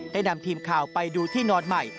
ได้นำทีมข่าวไปดูที่นอนใหม่